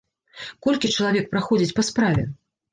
Колькі чалавек праходзіць па справе?